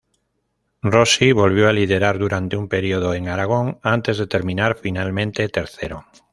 Rossi volvió a liderar durante un período en Aragón antes de terminar finalmente tercero.